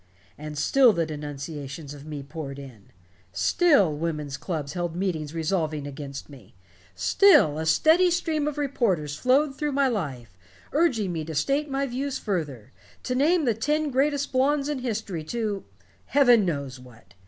"And still the denunciations of me poured in; still women's clubs held meetings resolving against me; still a steady stream of reporters flowed through my life, urging me to state my views further, to name the ten greatest blondes in history, to heaven knows what.